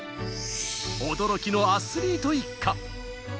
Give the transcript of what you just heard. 驚きのアスリート一家。